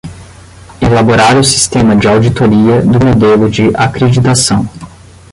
Elaborar o sistema de auditoria do modelo de acreditação.